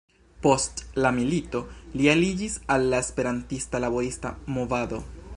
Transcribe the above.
Post la milito li aliĝis al la esperantista laborista movado.